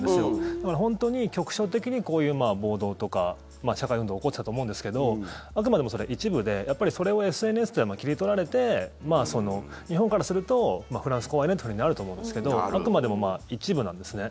だから、本当に局所的にこういう暴動とか社会運動が起こってたと思うんですけどあくまでもそれは一部でやっぱりそれをＳＮＳで切り取られて日本からすると、フランス怖いねってふうになると思うんですけどあくまでも一部なんですね。